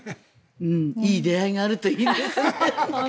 いい出会いがあるといいですね。